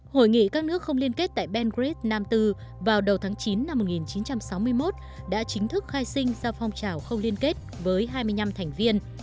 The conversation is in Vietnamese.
hội nghị các nước không liên kết tại ben grid nam tư vào đầu tháng chín năm một nghìn chín trăm sáu mươi một đã chính thức khai sinh ra phong trào không liên kết với hai mươi năm thành viên